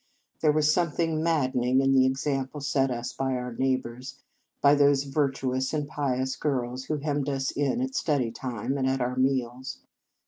There was some thing maddening in the example set us by our neighbours, by those virtuous and pious girls who hemmed us in at study time and at our meals.